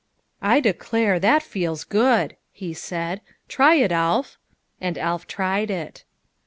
" I declare, that feels good !" he said. " Try it, Alf." And Alf tried it.